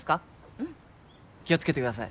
うん気をつけてください